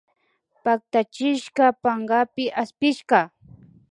Pactachishka pankapi aspishka